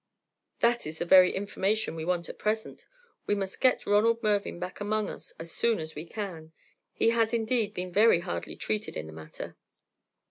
"That is the very information we want at present. We must get Ronald Mervyn back among us as soon as we can; he has indeed been very hardly treated in the matter.